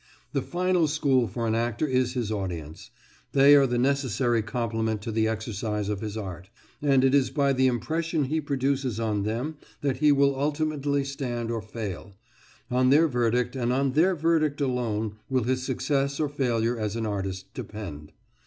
The final school for the actor is his audience; they are the necessary complement to the exercise of his art, and it is by the impression he produces on them that he will ultimately stand or fall; on their verdict, and on their verdict alone, will his success or failure as an artist depend.